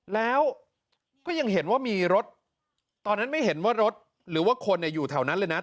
แล้วก็ยังเห็นว่ามีรถตอนนั้นไม่เห็นว่ารถหรือว่าคนอยู่แถวนั้นเลยนะ